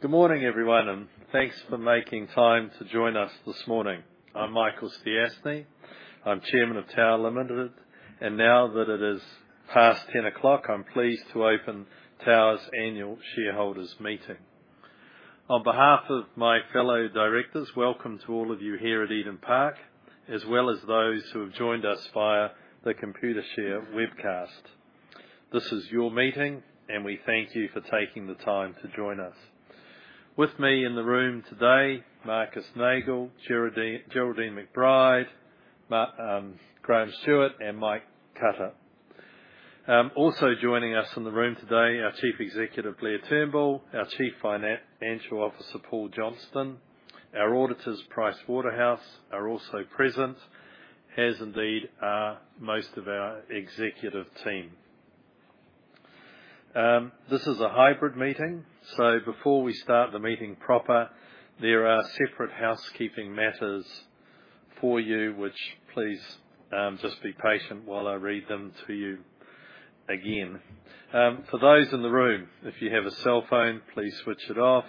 Good morning, everyone, and thanks for making time to join us this morning. I'm Michael Stiassny, I'm chairman of Tower Limited, and now that it is past 10:00 A.M. I'm pleased to open Tower's annual shareholders' meeting. On behalf of my fellow directors, welcome to all of you here at Eden Park, as well as those who have joined us via the Computershare webcast. This is your meeting, and we thank you for taking the time to join us. With me in the room today, Marcus Nagel, Geraldine McBride, Graham Stuart, and Mike Cutter. Also joining us in the room today, our Chief Executive Blair Turnbull, our Chief Financial Officer Paul Johnston, our auditors PricewaterhouseCoopers are also present, as indeed most of our executive team. This is a hybrid meeting, so before we start the meeting proper, there are separate housekeeping matters for you, which, please, just be patient while I read them to you again. For those in the room, if you have a cell phone, please switch it off.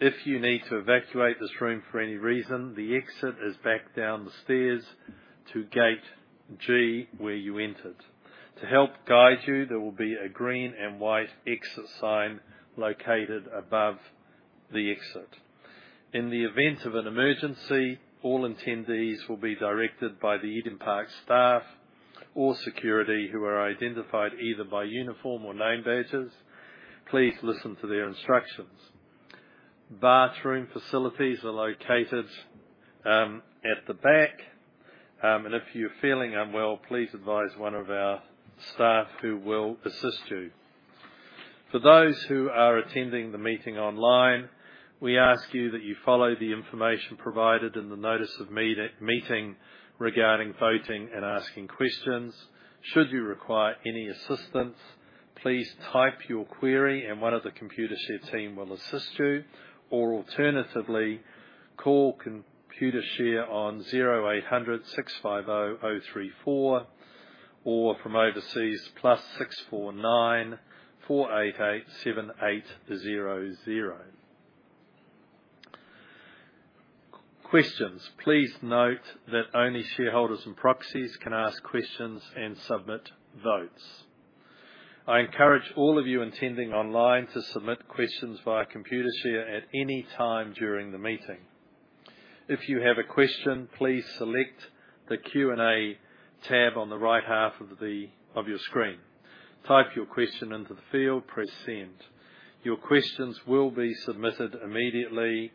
If you need to evacuate this room for any reason, the exit is back down the stairs to Gate G where you entered. To help guide you, there will be a green and white exit sign located above the exit. In the event of an emergency, all attendees will be directed by the Eden Park staff or security who are identified either by uniform or name badges. Please listen to their instructions. Bathroom facilities are located at the back, and if you're feeling unwell, please advise one of our staff who will assist you. For those who are attending the meeting online, we ask you that you follow the information provided in the notice of meeting regarding voting and asking questions. Should you require any assistance, please type your query and one of the Computershare team will assist you, or alternatively call Computershare on 0800 650 034, or from overseas +649 488 7800. Questions, please note that only shareholders and proxies can ask questions and submit votes. I encourage all of you attending online to submit questions via Computershare at any time during the meeting. If you have a question, please select the Q&A tab on the right half of your screen. Type your question into the field, press send. Your questions will be submitted immediately,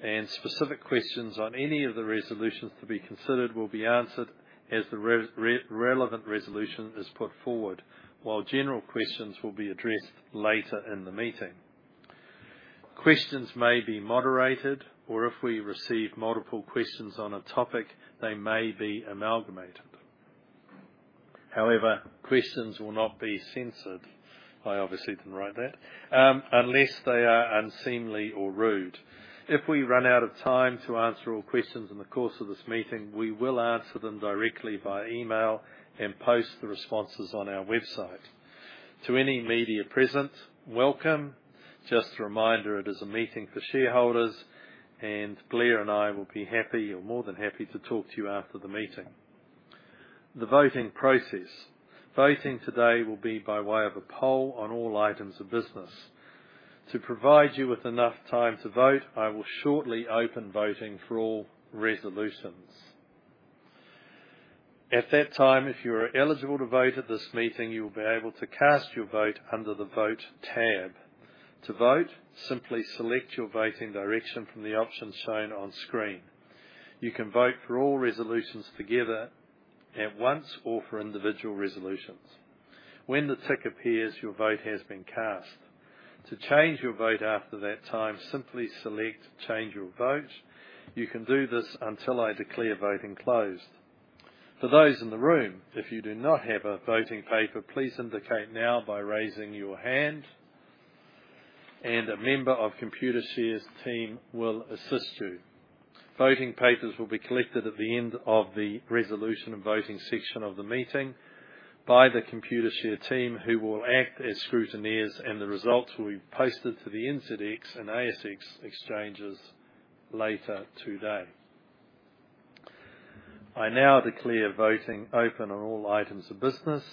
and specific questions on any of the resolutions to be considered will be answered as the relevant resolution is put forward, while general questions will be addressed later in the meeting. Questions may be moderated, or if we receive multiple questions on a topic, they may be amalgamated. However, questions will not be censored - I obviously didn't write that - unless they are unseemly or rude. If we run out of time to answer all questions in the course of this meeting, we will answer them directly via email and post the responses on our website. To any media present, welcome. Just a reminder, it is a meeting for shareholders, and Blair and I will be happy, or more than happy, to talk to you after the meeting. The voting process. Voting today will be by way of a poll on all items of business. To provide you with enough time to vote, I will shortly open voting for all resolutions. At that time, if you are eligible to vote at this meeting, you will be able to cast your vote under the vote tab. To vote, simply select your voting direction from the options shown on screen. You can vote for all resolutions together at once or for individual resolutions. When the tick appears, your vote has been cast. To change your vote after that time, simply select change your vote. You can do this until I declare voting closed. For those in the room, if you do not have a voting paper, please indicate now by raising your hand, and a member of Computershare's team will assist you. Voting papers will be collected at the end of the resolution and voting section of the meeting by the Computershare team who will act as scrutineers, and the results will be posted to the NZX and ASX exchanges later today. I now declare voting open on all items of business.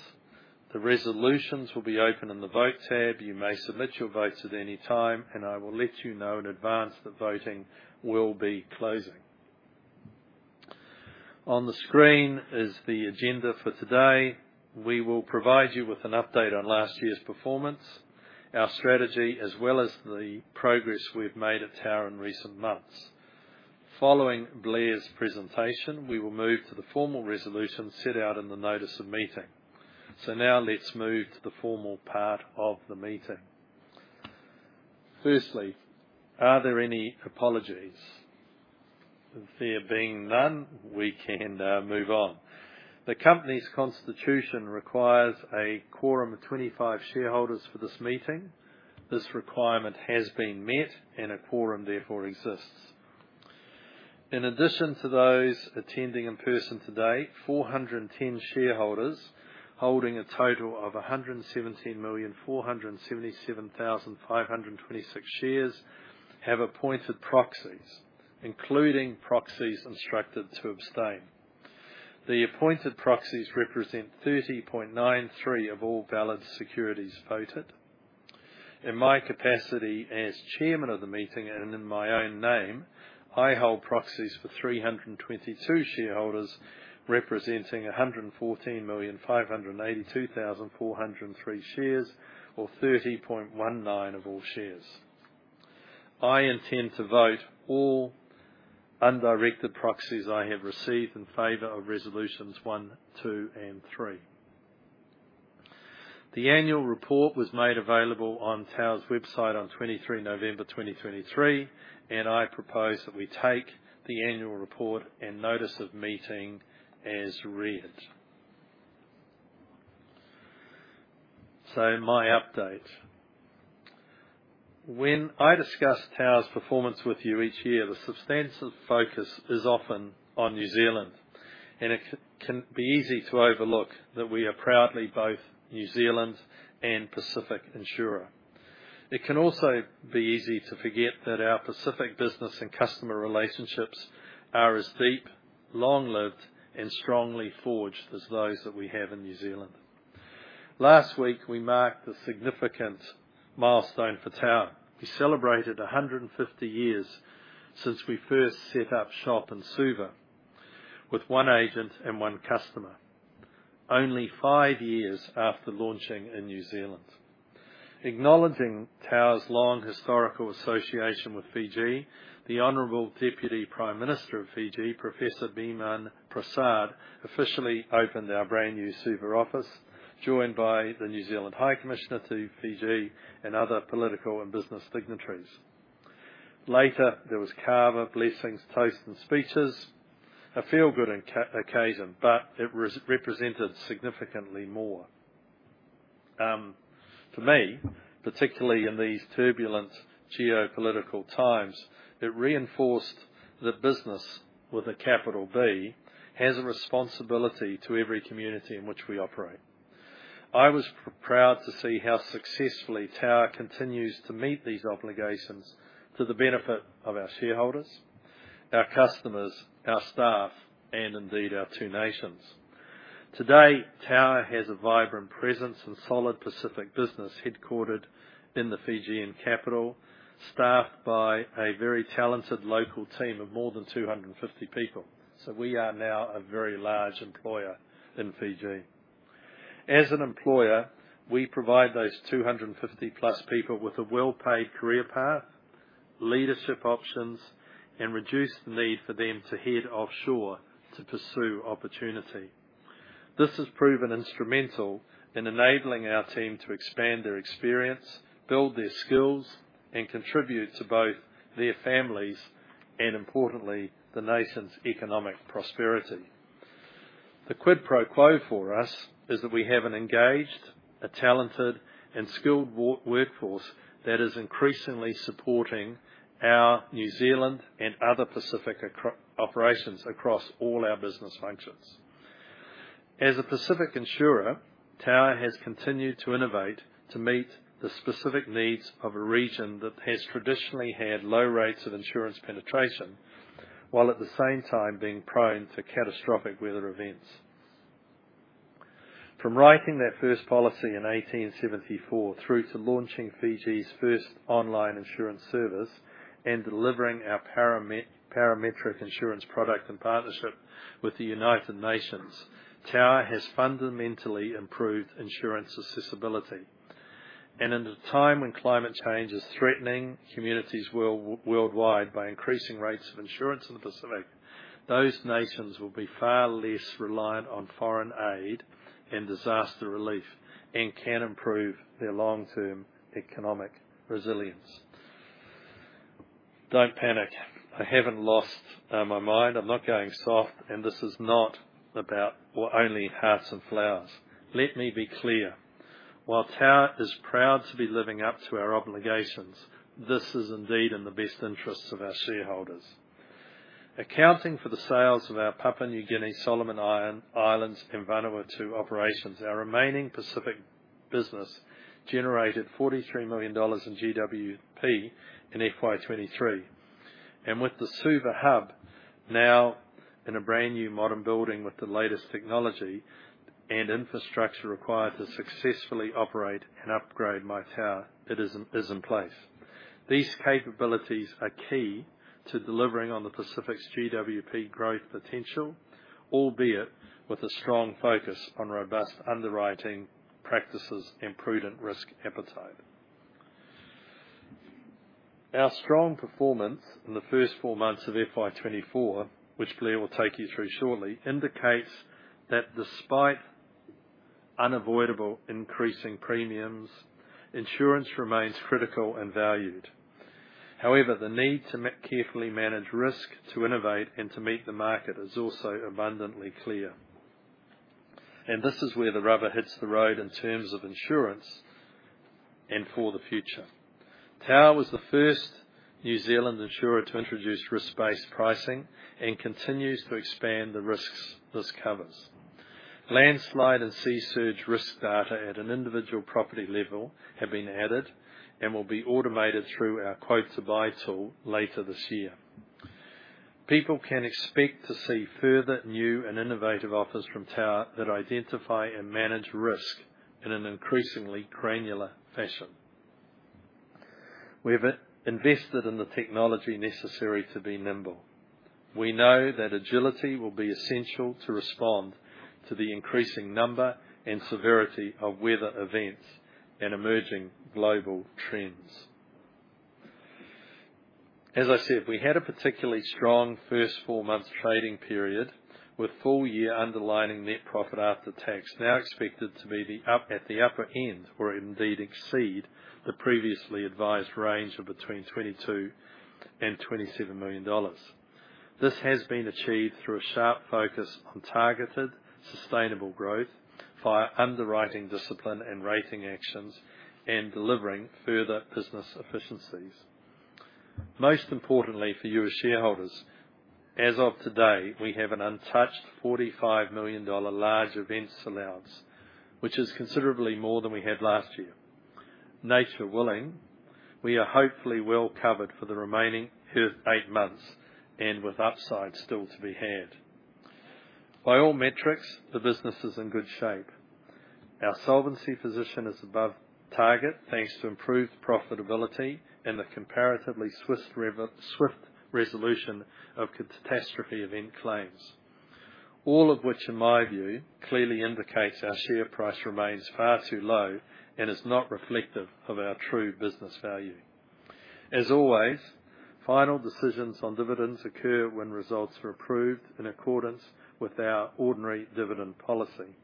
The resolutions will be open in the vote tab. You may submit your votes at any time, and I will let you know in advance that voting will be closing. On the screen is the agenda for today. We will provide you with an update on last year's performance, our strategy, as well as the progress we've made at Tower in recent months. Following Blair's presentation, we will move to the formal resolutions set out in the notice of meeting. Now let's move to the formal part of the meeting. Firstly, are there any apologies? There being none, we can move on. The company's constitution requires a quorum of 25 shareholders for this meeting. This requirement has been met, and a quorum, therefore, exists. In addition to those attending in person today, 410 shareholders holding a total of 117,477,526 shares have appointed proxies, including proxies instructed to abstain. The appointed proxies represent 30.93% of all valid securities voted. In my capacity as chairman of the meeting and in my own name, I hold proxies for 322 shareholders representing 114,582,403 shares, or 30.19% of all shares. I intend to vote all undirected proxies I have received in favor of resolutions one, two, and three. The annual report was made available on Tower's website on 23 November 2023, and I propose that we take the annual report and notice of meeting as read. So my update. When I discuss Tower's performance with you each year, the substantive focus is often on New Zealand, and it can be easy to overlook that we are proudly both New Zealand and Pacific insurer. It can also be easy to forget that our Pacific business and customer relationships are as deep, long-lived, and strongly forged as those that we have in New Zealand. Last week, we marked a significant milestone for Tower. We celebrated 150 years since we first set up shop in Suva with one agent and one customer, only five years after launching in New Zealand. Acknowledging Tower's long historical association with Fiji, the Honourable Deputy Prime Minister of Fiji, Professor Biman Prasad, officially opened our brand new Suva office, joined by the New Zealand High Commissioner to Fiji and other political and business dignitaries. Later, there was kava blessings, toasts, and speeches, a feel-good occasion, but it represented significantly more. For me, particularly in these turbulent geopolitical times, it reinforced that business with a capital B has a responsibility to every community in which we operate. I was proud to see how successfully Tower continues to meet these obligations to the benefit of our shareholders, our customers, our staff, and indeed our two nations. Today, Tower has a vibrant presence and solid Pacific business headquartered in the Fijian capital, staffed by a very talented local team of more than 250 people. So we are now a very large employer in Fiji. As an employer, we provide those 250+ people with a well-paid career path, leadership options, and reduce the need for them to head offshore to pursue opportunity. This has proven instrumental in enabling our team to expand their experience, build their skills, and contribute to both their families and, importantly, the nation's economic prosperity. The quid pro quo for us is that we have an engaged, talented, and skilled workforce that is increasingly supporting our New Zealand and other Pacific operations across all our business functions. As a Pacific insurer, Tower has continued to innovate to meet the specific needs of a region that has traditionally had low rates of insurance penetration, while at the same time being prone to catastrophic weather events. From writing that first policy in 1874 through to launching Fiji's first online insurance service and delivering our parametric insurance product in partnership with the United Nations, Tower has fundamentally improved insurance accessibility. In a time when climate change is threatening communities worldwide by increasing rates of insurance in the Pacific, those nations will be far less reliant on foreign aid and disaster relief and can improve their long-term economic resilience. Don't panic. I haven't lost my mind. I'm not going soft, and this is not about only hearts and flowers. Let me be clear. While Tower is proud to be living up to our obligations, this is indeed in the best interests of our shareholders. Accounting for the sales of our Papua New Guinea, Solomon Islands, and Vanuatu operations, our remaining Pacific business generated 43 million dollars in GWP in FY23. With the Suva hub now in a brand new modern building with the latest technology and infrastructure required to successfully operate and upgrade MyTower, it is in place. These capabilities are key to delivering on the Pacific's GWP growth potential, albeit with a strong focus on robust underwriting practices and prudent risk appetite. Our strong performance in the first four months of FY24, which Blair will take you through shortly, indicates that despite unavoidable increasing premiums, insurance remains critical and valued. However, the need to carefully manage risk, to innovate, and to meet the market is also abundantly clear. This is where the rubber hits the road in terms of insurance and for the future. Tower was the first New Zealand insurer to introduce risk-based pricing and continues to expand the risks this covers. Landslide and sea surge risk data at an individual property level have been added and will be automated through our quote-to-buy tool later this year. People can expect to see further new and innovative offers from Tower that identify and manage risk in an increasingly granular fashion. We have invested in the technology necessary to be nimble. We know that agility will be essential to respond to the increasing number and severity of weather events and emerging global trends. As I said, we had a particularly strong first four months trading period with full-year underlying net profit after tax now expected to be at the upper end or indeed exceed the previously advised range of between 22 million and 27 million dollars. This has been achieved through a sharp focus on targeted, sustainable growth via underwriting discipline and rating actions and delivering further business efficiencies. Most importantly for you as shareholders, as of today, we have an untouched 45 million dollar large events allowance, which is considerably more than we had last year. Nature willing, we are hopefully well covered for the remaining eight months and with upside still to be had. By all metrics, the business is in good shape. Our solvency position is above target thanks to improved profitability and the comparatively swift resolution of catastrophe event claims, all of which, in my view, clearly indicates our share price remains far too low and is not reflective of our true business value. As always, final decisions on dividends occur when results are approved in accordance with our ordinary dividend policy.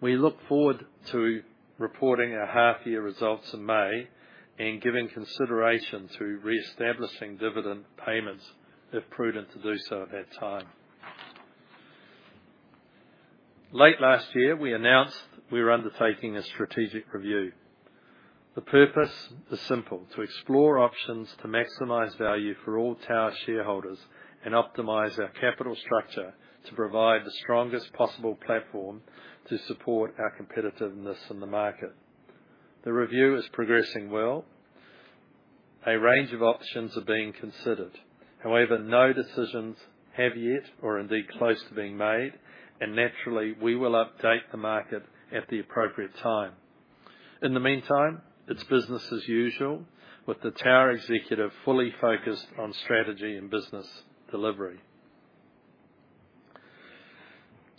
We look forward to reporting our half-year results in May and giving consideration to reestablishing dividend payments if prudent to do so at that time. Late last year, we announced we were undertaking a strategic review. The purpose is simple: to explore options to maximize value for all Tower shareholders and optimize our capital structure to provide the strongest possible platform to support our competitiveness in the market. The review is progressing well. A range of options are being considered. However, no decisions have yet or indeed close to being made, and naturally, we will update the market at the appropriate time. In the meantime, it's business as usual with the Tower executive fully focused on strategy and business delivery.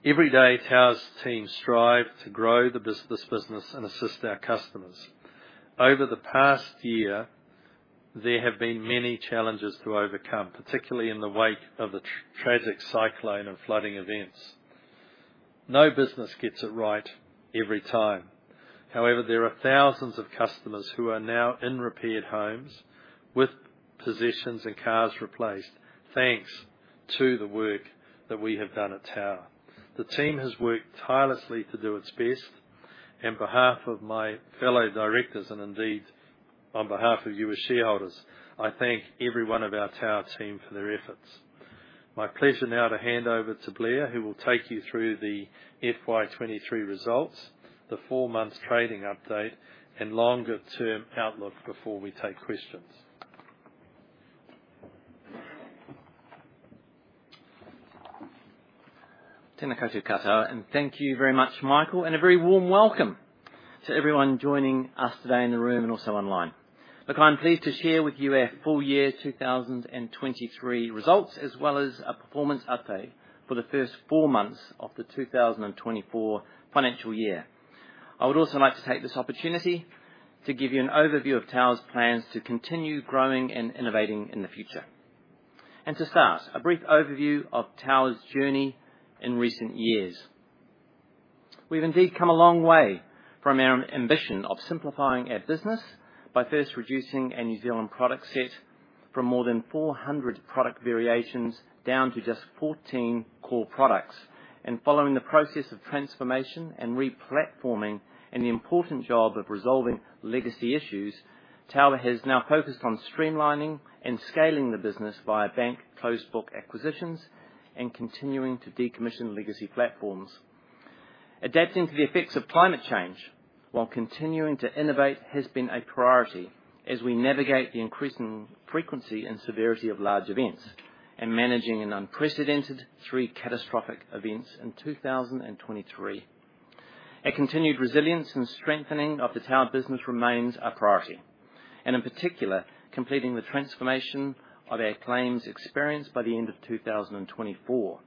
Every day, Tower's team strive to grow this business and assist our customers. Over the past year, there have been many challenges to overcome, particularly in the wake of the tragic cyclone and flooding events. No business gets it right every time. However, there are thousands of customers who are now in repaired homes with possessions and cars replaced thanks to the work that we have done at Tower. The team has worked tirelessly to do its best, and on behalf of my fellow directors and indeed on behalf of you as shareholders, I thank everyone of our Tower team for their efforts. My pleasure now to hand over to Blair, who will take you through the FY23 results, the four-month trading update, and longer-term outlook before we take questions. koutou katoa, and thank you very much, Michael, and a very warm welcome to everyone joining us today in the room and also online. Look, I'm pleased to share with you our full year 2023 results as well as a performance update for the first four months of the 2024 financial year. I would also like to take this opportunity to give you an overview of Tower's plans to continue growing and innovating in the future. To start, a brief overview of Tower's journey in recent years. We've indeed come a long way from our ambition of simplifying our business by first reducing our New Zealand product set from more than 400 product variations down to just 14 core products. Following the process of transformation and replatforming and the important job of resolving legacy issues, Tower has now focused on streamlining and scaling the business via bank closed-book acquisitions and continuing to decommission legacy platforms. Adapting to the effects of climate change while continuing to innovate has been a priority as we navigate the increasing frequency and severity of large events and managing an unprecedented three catastrophic events in 2023. Our continued resilience and strengthening of the Tower business remains a priority, and in particular, completing the transformation of our claims experience by the end of 2024.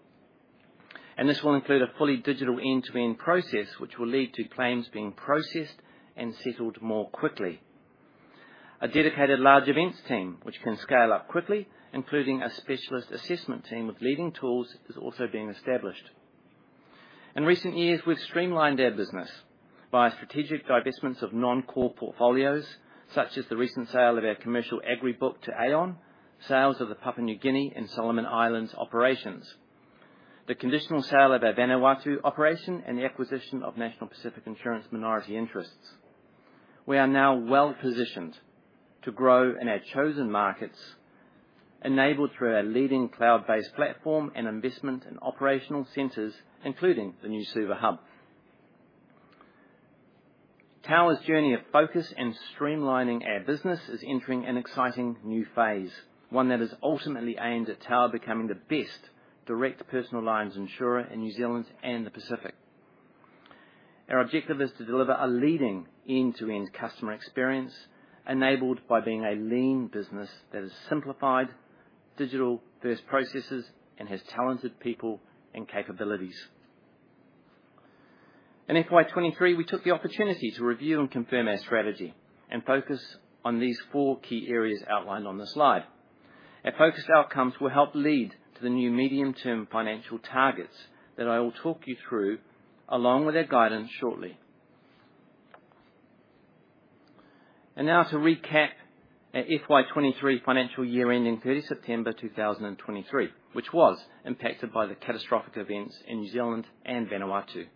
This will include a fully digital end-to-end process, which will lead to claims being processed and settled more quickly. A dedicated large events team, which can scale up quickly, including a specialist assessment team with leading tools, is also being established. In recent years, we've streamlined our business via strategic divestments of non-core portfolios, such as the recent sale of our commercial rural book to Aon, sales of the Papua New Guinea and Solomon Islands operations, the conditional sale of our Vanuatu operation, and the acquisition of National Pacific Insurance minority interests. We are now well positioned to grow in our chosen markets, enabled through our leading cloud-based platform and investment and operational centres, including the new Suva hub. Tower's journey of focus and streamlining our business is entering an exciting new phase, one that is ultimately aimed at Tower becoming the best direct personal lines insurer in New Zealand and the Pacific. Our objective is to deliver a leading end-to-end customer experience enabled by being a lean business that is simplified, digital-first processes, and has talented people and capabilities. In FY23, we took the opportunity to review and confirm our strategy and focus on these four key areas outlined on the slide. Our focused outcomes will help lead to the new medium-term financial targets that I will talk you through along with our guidance shortly. Now to recap our FY23 financial year ending 30 September 2023, which was impacted by the catastrophic events in New Zealand and Vanuatu.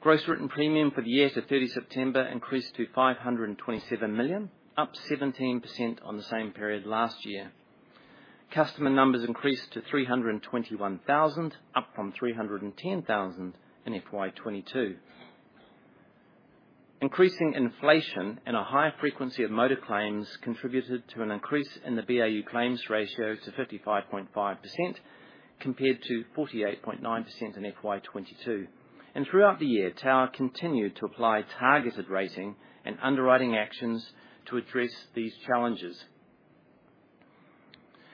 Gross Written Premium for the year to 30 September increased to 527 million, up 17% on the same period last year. Customer numbers increased to 321,000, up from 310,000 in FY22. Increasing inflation and a higher frequency of motor claims contributed to an increase in the BAU claims ratio to 55.5% compared to 48.9% in FY22. Throughout the year, Tower continued to apply targeted rating and underwriting actions to address these challenges.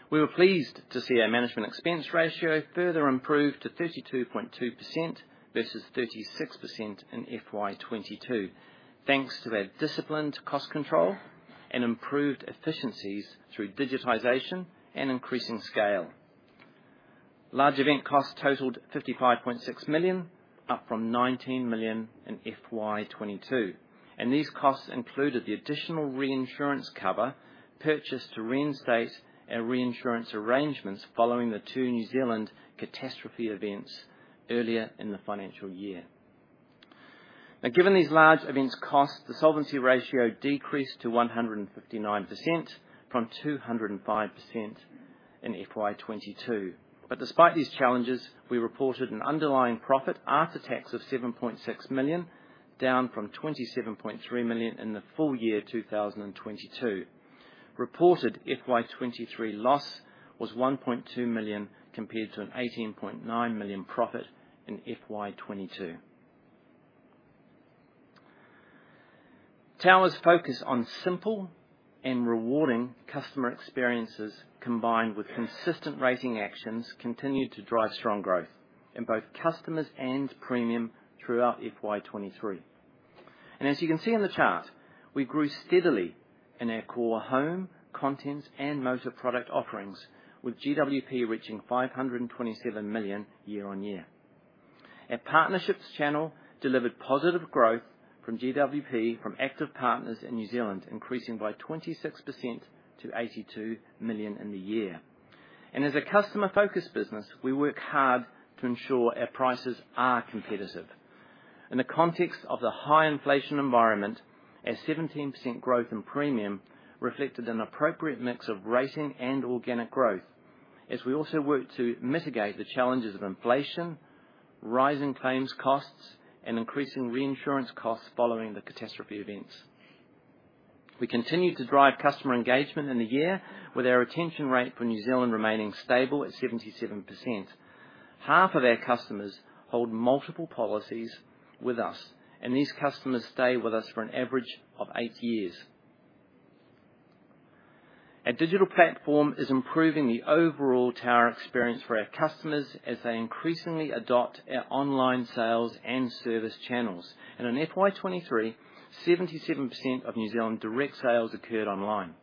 We were pleased to see our management expense ratio further improve to 32.2% versus 36% in FY22 thanks to our disciplined cost control and improved efficiencies through digitization and increasing scale. Large event costs totaled 55.6 million, up from 19 million in FY22. And these costs included the additional reinsurance cover, purchase to reinstate, and reinsurance arrangements following the two New Zealand catastrophe events earlier in the financial year. Now, given these large events costs, the solvency ratio decreased to 159% from 205% in FY22. But despite these challenges, we reported an underlying profit after tax of 7.6 million, down from 27.3 million in the full year 2022. Reported FY23 loss was 1.2 million compared to an 18.9 million profit in FY22. Tower's focus on simple and rewarding customer experiences combined with consistent rating actions continued to drive strong growth in both customers and premium throughout FY23. As you can see in the chart, we grew steadily in our core home, contents, and motor product offerings, with GWP reaching 527 million year on year. Our partnerships channel delivered positive growth from GWP from active partners in New Zealand, increasing by 26% to 82 million in the year. As a customer-focused business, we work hard to ensure our prices are competitive. In the context of the high inflation environment, our 17% growth in premium reflected an appropriate mix of rating and organic growth, as we also worked to mitigate the challenges of inflation, rising claims costs, and increasing reinsurance costs following the catastrophe events. We continued to drive customer engagement in the year, with our retention rate for New Zealand remaining stable at 77%. Half of our customers hold multiple policies with us, and these customers stay with us for an average of eight years. Our digital platform is improving the overall Tower experience for our customers as they increasingly adopt our online sales and service channels. In FY23, 77% of New Zealand direct sales occurred online,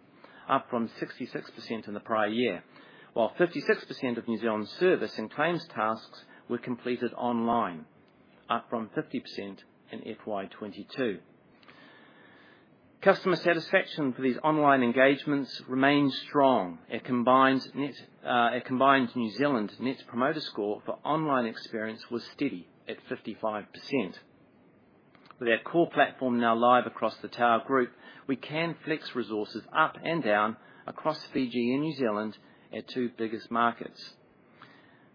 up from 66% in the prior year, while 56% of New Zealand service and claims tasks were completed online, up from 50% in FY22. Customer satisfaction for these online engagements remained strong. Our combined New Zealand net promoter score for online experience was steady at 55%. With our core platform now live across the Tower group, we can flex resources up and down across Fiji and New Zealand, our two biggest markets.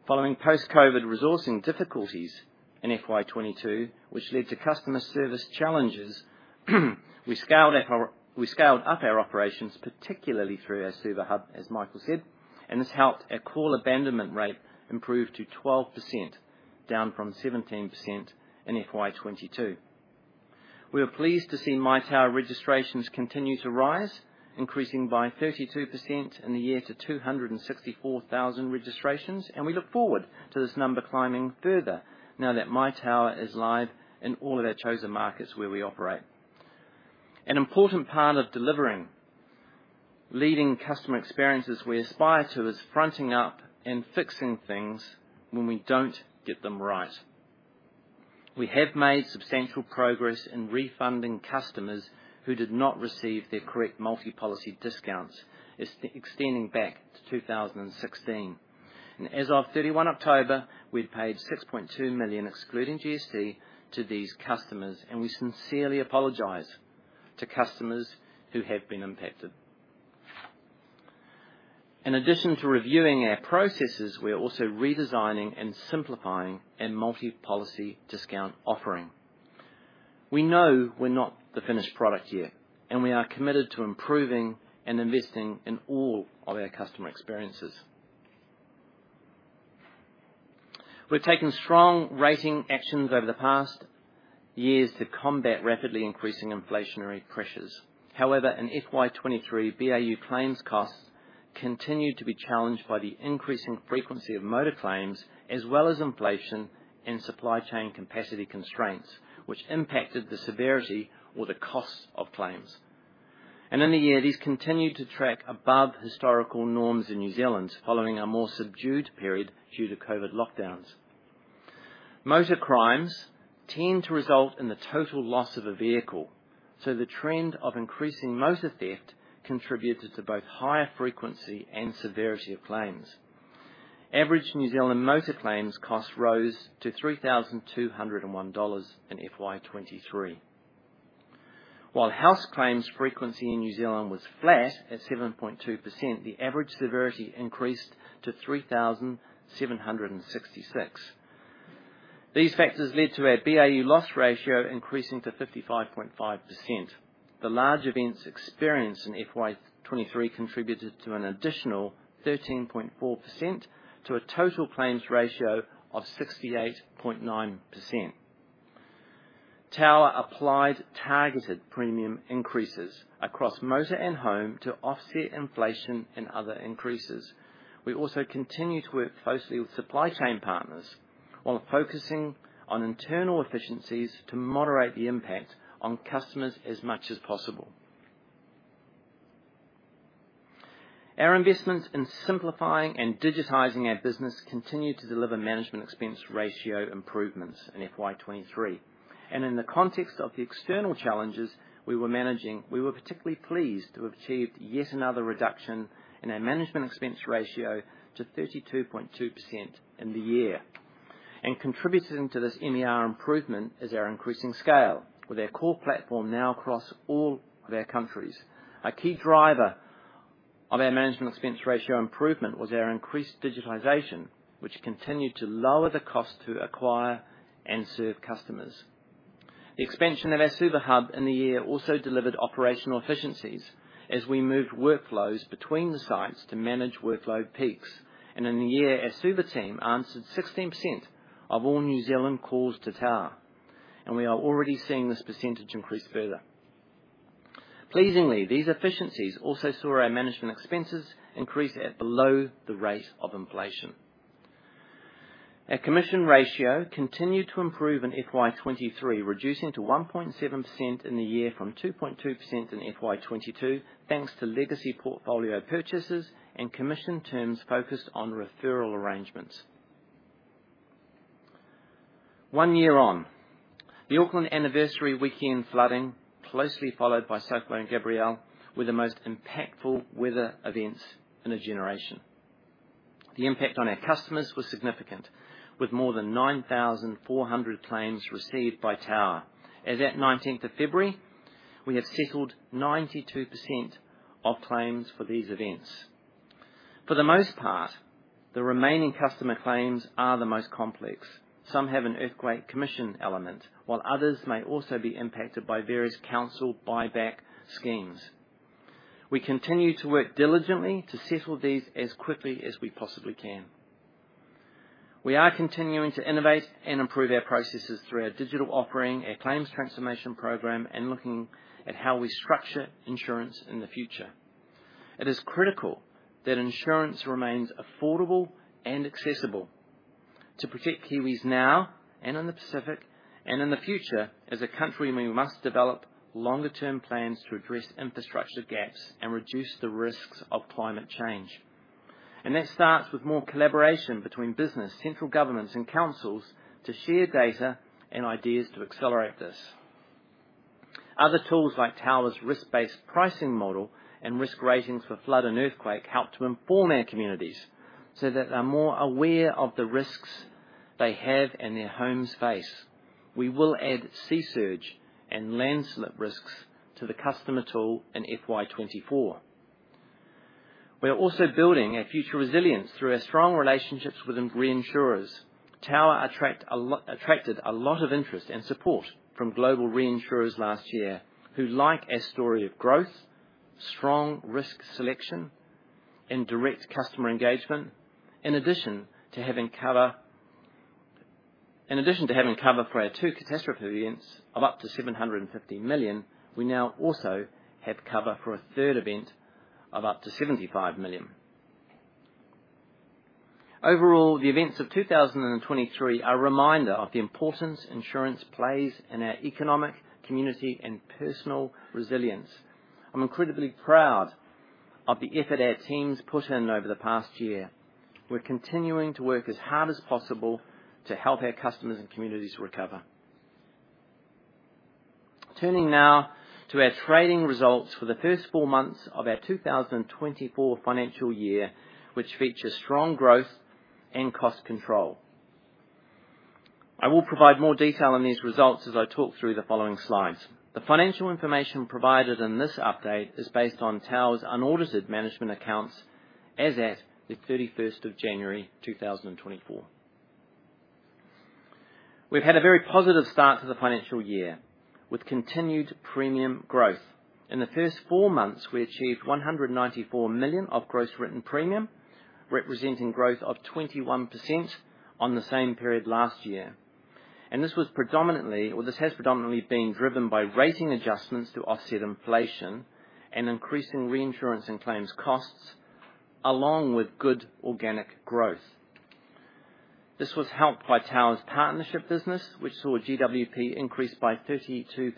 Following post-COVID resourcing difficulties in FY22, which led to customer service challenges, we scaled up our operations, particularly through our Suva hub, as Michael said, and this helped our call abandonment rate improve to 12%, down from 17% in FY22. We are pleased to see MyTower registrations continue to rise, increasing by 32% in the year to 264,000 registrations, and we look forward to this number climbing further now that MyTower is live in all of our chosen markets where we operate. An important part of delivering leading customer experiences we aspire to is fronting up and fixing things when we don't get them right. We have made substantial progress in refunding customers who did not receive their correct multi-policy discounts, extending back to 2016. As of 31 October, we'd paid 6.2 million excluding GST to these customers, and we sincerely apologize to customers who have been impacted. In addition to reviewing our processes, we are also redesigning and simplifying our multi-policy discount offering. We know we're not the finished product yet, and we are committed to improving and investing in all of our customer experiences. We've taken strong rating actions over the past years to combat rapidly increasing inflationary pressures. However, in FY23, BAU claims costs continued to be challenged by the increasing frequency of motor claims as well as inflation and supply chain capacity constraints, which impacted the severity or the costs of claims. In the year, these continued to track above historical norms in New Zealand, following a more subdued period due to COVID lockdowns. Motor crimes tend to result in the total loss of a vehicle, so the trend of increasing motor theft contributed to both higher frequency and severity of claims. Average New Zealand motor claims costs rose to 3,201 dollars in FY23. While house claims frequency in New Zealand was flat at 7.2%, the average severity increased to 3,766. These factors led to our BAU loss ratio increasing to 55.5%. The large events experienced in FY23 contributed to an additional 13.4% to a total claims ratio of 68.9%. Tower applied targeted premium increases across motor and home to offset inflation and other increases. We also continue to work closely with supply chain partners while focusing on internal efficiencies to moderate the impact on customers as much as possible. Our investments in simplifying and digitizing our business continue to deliver management expense ratio improvements in FY23. In the context of the external challenges we were managing, we were particularly pleased to have achieved yet another reduction in our management expense ratio to 32.2% in the year. Contributing to this MER improvement is our increasing scale, with our core platform now across all of our countries. A key driver of our management expense ratio improvement was our increased digitization, which continued to lower the cost to acquire and serve customers. The expansion of our Suva hub in the year also delivered operational efficiencies as we moved workflows between the sites to manage workload peaks. And in the year, our Suva team answered 16% of all New Zealand calls to Tower, and we are already seeing this percentage increase further. Pleasingly, these efficiencies also saw our management expenses increase at below the rate of inflation. Our commission ratio continued to improve in FY23, reducing to 1.7% in the year from 2.2% in FY22 thanks to legacy portfolio purchases and commission terms focused on referral arrangements. One year on, the Auckland anniversary weekend flooding, closely followed by Cyclones Hale and Gabrielle, were the most impactful weather events in a generation. The impact on our customers was significant, with more than 9,400 claims received by Tower. As of 19 February, we have settled 92% of claims for these events. For the most part, the remaining customer claims are the most complex. Some have an earthquake commission element, while others may also be impacted by various council buyback schemes. We continue to work diligently to settle these as quickly as we possibly can. We are continuing to innovate and improve our processes through our digital offering, our claims transformation program, and looking at how we structure insurance in the future. It is critical that insurance remains affordable and accessible to protect Kiwis now and in the Pacific and in the future as a country where we must develop longer-term plans to address infrastructure gaps and reduce the risks of climate change. That starts with more collaboration between business, central governments, and councils to share data and ideas to accelerate this. Other tools like Tower's risk-based pricing model and risk ratings for flood and earthquake help to inform our communities so that they're more aware of the risks they have and their homes face. We will add sea surge and landslide risks to the customer tool in FY24. We are also building our future resilience through our strong relationships with reinsurers. Tower attracted a lot of interest and support from global reinsurers last year who like our story of growth, strong risk selection, and direct customer engagement. In addition to having cover for our two catastrophe events of up to 750 million, we now also have cover for a third event of up to 75 million. Overall, the events of 2023 are a reminder of the importance insurance plays in our economic, community, and personal resilience. I'm incredibly proud of the effort our teams put in over the past year. We're continuing to work as hard as possible to help our customers and communities recover. Turning now to our trading results for the first four months of our 2024 financial year, which feature strong growth and cost control. I will provide more detail on these results as I talk through the following slides. The financial information provided in this update is based on Tower's unaudited management accounts as of the 31st of January, 2024. We've had a very positive start to the financial year with continued premium growth. In the first four months, we achieved 194 million of gross written premium, representing growth of 21% on the same period last year. This has predominantly been driven by rating adjustments to offset inflation and increasing reinsurance and claims costs, along with good organic growth. This was helped by Tower's partnership business, which saw GWP increase by 32%.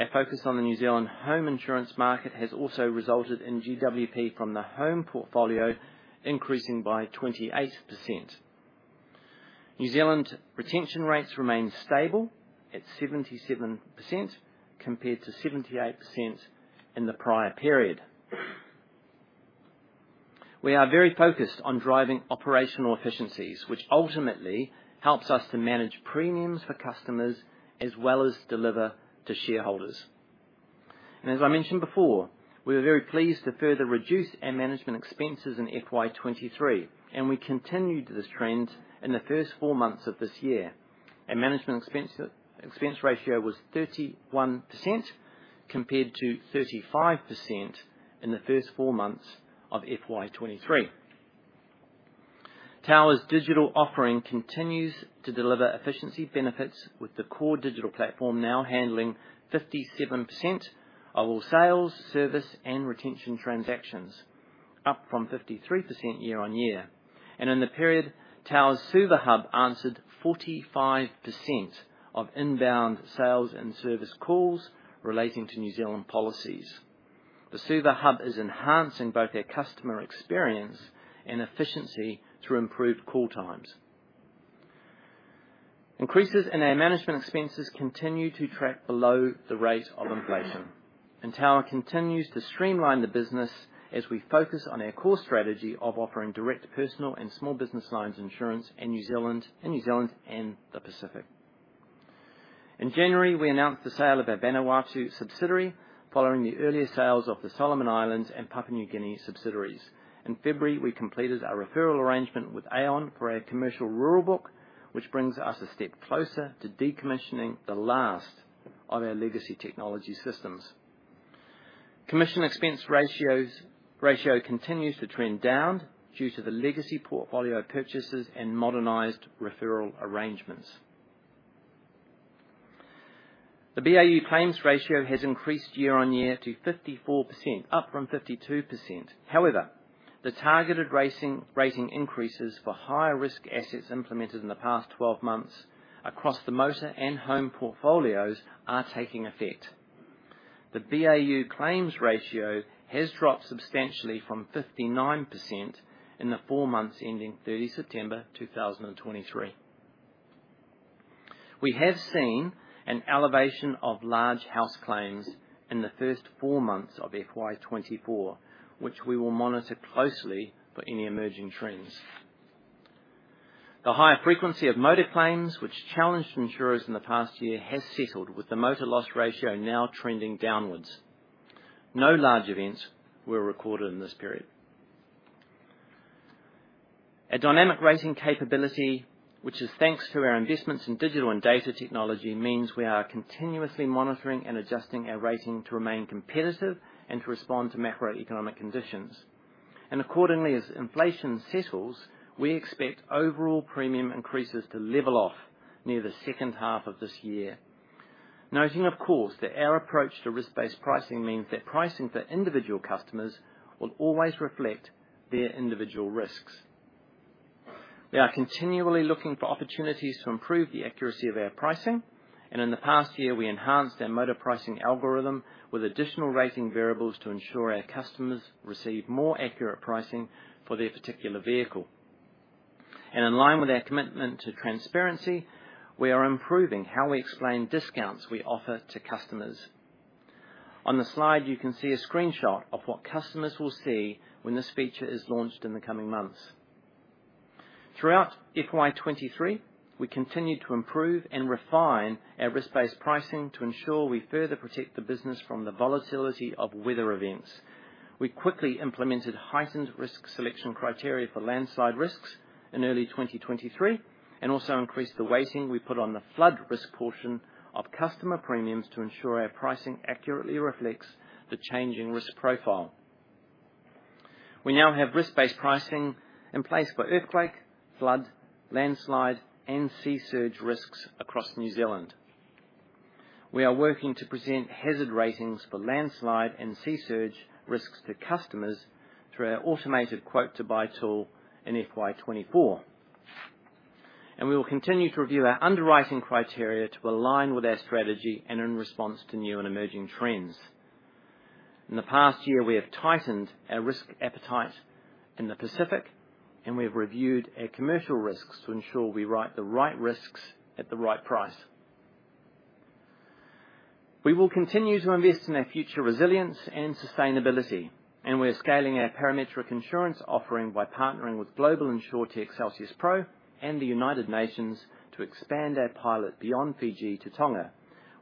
Our focus on the New Zealand home insurance market has also resulted in GWP from the home portfolio increasing by 28%. New Zealand retention rates remain stable at 77% compared to 78% in the prior period. We are very focused on driving operational efficiencies, which ultimately helps us to manage premiums for customers as well as deliver to shareholders. And as I mentioned before, we were very pleased to further reduce our management expenses in FY23, and we continued this trend in the first four months of this year. Our management expense ratio was 31% compared to 35% in the first four months of FY23. Tower's digital offering continues to deliver efficiency benefits, with the core digital platform now handling 57% of all sales, service, and retention transactions, up from 53% year-over-year. In the period, Tower's Suva hub answered 45% of inbound sales and service calls relating to New Zealand policies. The Suva hub is enhancing both our customer experience and efficiency through improved call times. Increases in our management expenses continue to track below the rate of inflation, and Tower continues to streamline the business as we focus on our core strategy of offering direct personal and small business lines insurance in New Zealand and the Pacific. In January, we announced the sale of our Vanuatu subsidiary following the earlier sales of the Solomon Islands and Papua New Guinea subsidiaries. In February, we completed our referral arrangement with Aon for our commercial rural book, which brings us a step closer to decommissioning the last of our legacy technology systems. Commission expense ratio continues to trend down due to the legacy portfolio purchases and modernized referral arrangements. The BAU claims ratio has increased year-over-year to 54%, up from 52%. However, the targeted rating increases for higher risk assets implemented in the past 12 months across the motor and home portfolios are taking effect. The BAU claims ratio has dropped substantially from 59% in the four months ending 30 September 2023. We have seen an elevation of large house claims in the first four months of FY24, which we will monitor closely for any emerging trends. The higher frequency of motor claims, which challenged insurers in the past year, has settled, with the motor loss ratio now trending downwards. No large events were recorded in this period. Our dynamic rating capability, which is thanks to our investments in digital and data technology, means we are continuously monitoring and adjusting our rating to remain competitive and to respond to macroeconomic conditions. Accordingly, as inflation settles, we expect overall premium increases to level off near the second half of this year, noting, of course, that our approach to risk-based pricing means that pricing for individual customers will always reflect their individual risks. We are continually looking for opportunities to improve the accuracy of our pricing. In the past year, we enhanced our motor pricing algorithm with additional rating variables to ensure our customers receive more accurate pricing for their particular vehicle. In line with our commitment to transparency, we are improving how we explain discounts we offer to customers. On the slide, you can see a screenshot of what customers will see when this feature is launched in the coming months. Throughout FY23, we continued to improve and refine our risk-based pricing to ensure we further protect the business from the volatility of weather events. We quickly implemented heightened risk selection criteria for landslide risks in early 2023 and also increased the weighting we put on the flood risk portion of customer premiums to ensure our pricing accurately reflects the changing risk profile. We now have risk-based pricing in place for earthquake, flood, landslide, and sea surge risks across New Zealand. We are working to present hazard ratings for landslide and sea surge risks to customers through our automated quote-to-buy tool in FY24. We will continue to review our underwriting criteria to align with our strategy and in response to new and emerging trends. In the past year, we have tightened our risk appetite in the Pacific, and we have reviewed our commercial risks to ensure we write the right risks at the right price. We will continue to invest in our future resilience and sustainability, and we are scaling our parametric insurance offering by partnering with CelsiusPro and the United Nations to expand our pilot beyond Fiji to Tonga.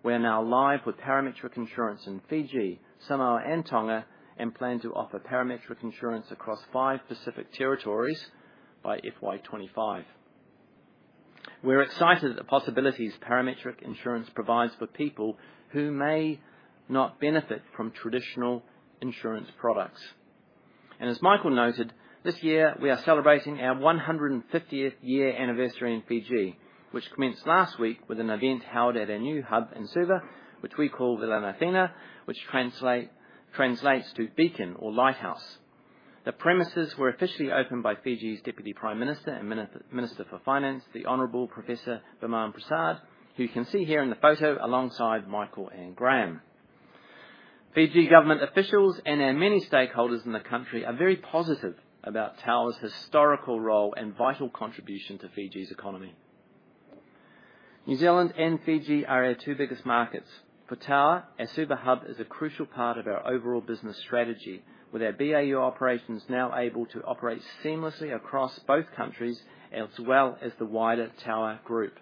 We are now live with parametric insurance in Fiji, Samoa, and Tonga, and plan to offer parametric insurance across five Pacific territories by FY25. We're excited at the possibilities parametric insurance provides for people who may not benefit from traditional insurance products. And as Michael noted, this year, we are celebrating our 150th year anniversary in Fiji, which commenced last week with an event held at our new hub in Suva, which we call Valenitina, which translates to beacon or lighthouse. The premises were officially opened by Fiji's Deputy Prime Minister and Minister for Finance, the Honourable Professor Biman Prasad, who you can see here in the photo alongside Michael and Graham. Fiji government officials and our many stakeholders in the country are very positive about Tower's historical role and vital contribution to Fiji's economy. New Zealand and Fiji are our two biggest markets. For Tower, our Suva hub is a crucial part of our overall business strategy, with our BAU operations now able to operate seamlessly across both countries as well as the wider Tower group.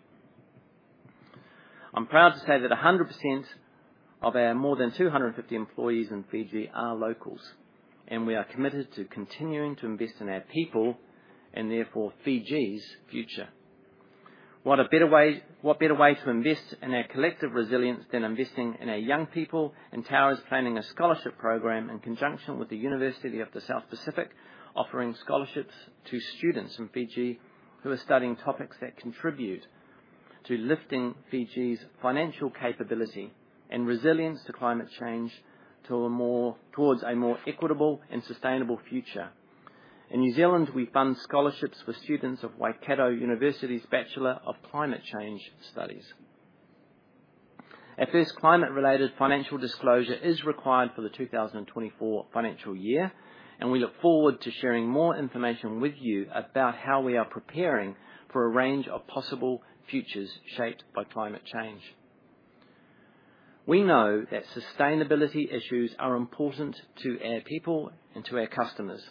I'm proud to say that 100% of our more than 250 employees in Fiji are locals, and we are committed to continuing to invest in our people and therefore Fiji's future. What better way to invest in our collective resilience than investing in our young people? Tower is planning a scholarship program in conjunction with the University of the South Pacific, offering scholarships to students in Fiji who are studying topics that contribute to lifting Fiji's financial capability and resilience to climate change towards a more equitable and sustainable future. In New Zealand, we fund scholarships for students of Waikato University's Bachelor of Climate Change Studies. Our first climate-related financial disclosure is required for the 2024 financial year, and we look forward to sharing more information with you about how we are preparing for a range of possible futures shaped by climate change. We know that sustainability issues are important to our people and to our customers.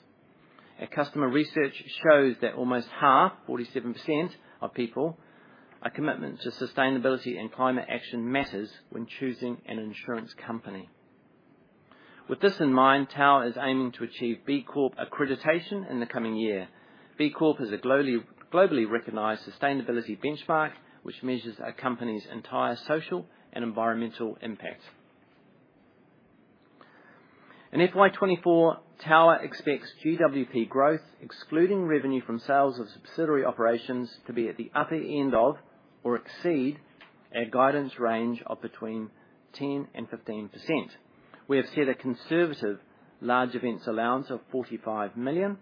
Our customer research shows that almost half, 47% of people, our commitment to sustainability and climate action matters when choosing an insurance company. With this in mind, Tower is aiming to achieve B Corp accreditation in the coming year. B Corp is a globally recognized sustainability benchmark, which measures a company's entire social and environmental impact. In FY24, Tower expects GWP growth, excluding revenue from sales of subsidiary operations, to be at the upper end of or exceed our guidance range of between 10% and 15%. We have set a conservative large events allowance of 45 million